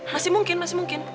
masih mungkin masih mungkin